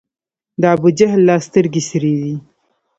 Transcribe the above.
د ابوجهل لا سترګي سرې دي